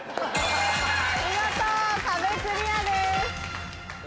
見事壁クリアです。